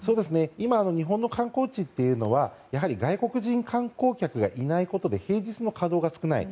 今、日本の観光地は外国人観光客がいないことで平日の稼働が少ない。